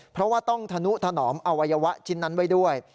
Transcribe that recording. เพราะว่าต้องธนุถนอมอวัยวะชิ้นนั้นไว้ด้วย